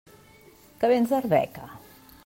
Que vens d'Arbeca?